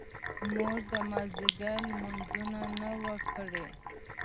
موږ د مازیګر لمونځونه نه وو کړي.